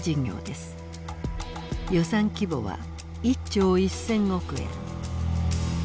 予算規模は１兆１，０００億円。